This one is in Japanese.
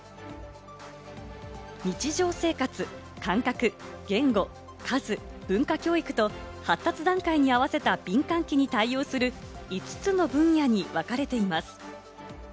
日常生活、感覚、言語、数、文化教育と発達段階に合わせた敏感期に対応する５つの分野にわかれています。